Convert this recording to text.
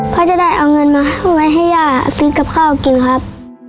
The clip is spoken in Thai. เพราะจะได้เอาเงินมาไว้ให้ย่าซื้อกับข้าวกินครับ